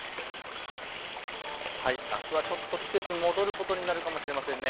あすはちょっと季節、戻ることになるかもしれませんね。